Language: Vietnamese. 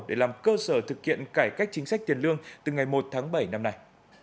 để làm cơ sở thực hiện cải cách chính sách tiền lương từ ngày một tháng bảy năm nay